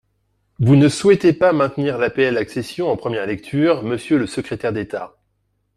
Vous ne souhaitez pas maintenir l’APL accession en première lecture, monsieur le secrétaire d’État.